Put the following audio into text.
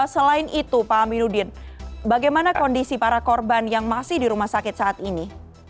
selain itu pak aminuddin bagaimana kondisi para korban yang masih di rumah sakit saat ini